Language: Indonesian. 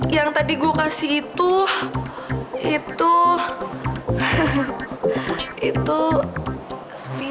yang tadi gue kasih itu itu hehe itu sepilu